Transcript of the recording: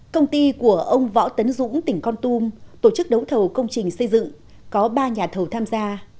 công ty của ông võ tấn dũng tỉnh con tum tổ chức đấu thầu công trình xây dựng có ba nhà thầu tham gia